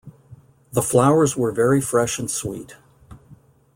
The flowers were very fresh and sweet.